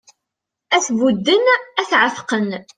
Ad t-budden ad t-εetqen